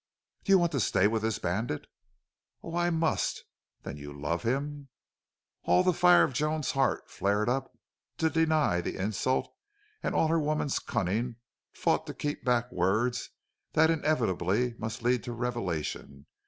"Do you want to stay with this bandit?" "Oh, I must!" "Then you love him?" All the fire of Joan's heart flared up to deny the insult and all her woman's cunning fought to keep back words that inevitably must lead to revelation.